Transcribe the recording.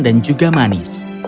dan juga sangat manis